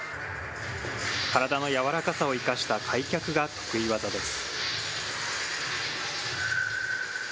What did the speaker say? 体の柔らかさを生かした開脚が得意技です。